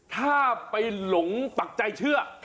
ถ้าไปหลงปักใจเชื่อ